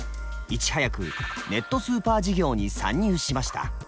いち早くネットスーパー事業に参入しました。